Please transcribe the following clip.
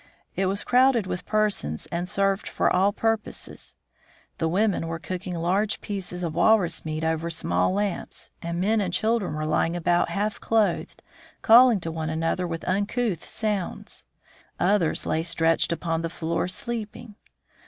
It was crowded with persons and served for all purposes. The women were cooking large pieces of walrus meat over small lamps, and men and children were lying about half clothed, calling to one another with uncouth sounds. Others lay stretched upon the floor sleeping.